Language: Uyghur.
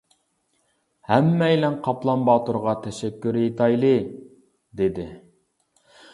ھەممەيلەن قاپلان باتۇرغا تەشەككۈر ئېيتايلى. ، -دېدى.